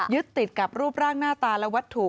ยึดติดกับรูปร่างหน้าตาและวัตถุ